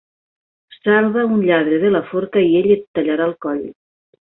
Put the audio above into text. Salva un lladre de la forca i ell et tallarà el coll.